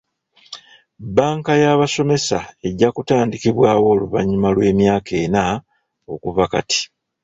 Bbanka y'abasomesa ejja kutandikibwawo oluvannyuma lw'emyaka ena okuva kati.